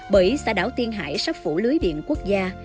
bởi xã đảo tiên hải sắp phủ lưới điện quốc gia